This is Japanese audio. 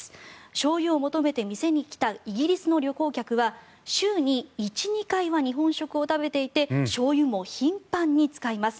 しょうゆを求めて店に来たイギリスの旅行客は週に１２回は日本食を食べていてしょうゆも頻繁に使います。